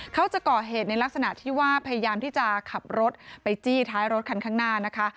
เขาจะก่อเหตุในลักษณะที่ว่าพยายามที่จะขับรถไปจี้ท้ายรถคันข้างหน้านะคะ